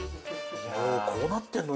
こうなってんの？